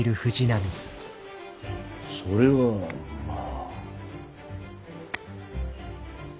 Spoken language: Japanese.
それはまぁ。